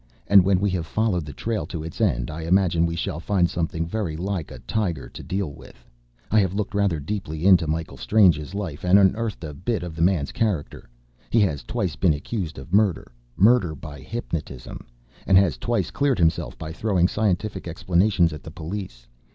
"And when we have followed the trail to its end, I imagine we shall find something very like a tiger to deal with. I have looked rather deeply into Michael Strange's life, and unearthed a bit of the man's character. He has twice been accused of murder murder by hypnotism and has twice cleared himself by throwing scientific explanations at the police.